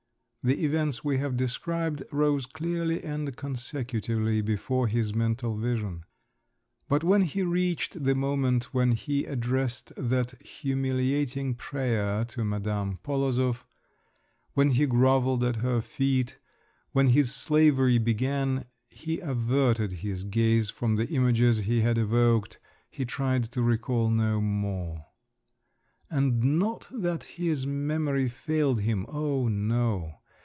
The events we have described rose clearly and consecutively before his mental vision…. But when he reached the moment when he addressed that humiliating prayer to Madame Polozov, when he grovelled at her feet, when his slavery began, he averted his gaze from the images he had evoked, he tried to recall no more. And not that his memory failed him, oh no!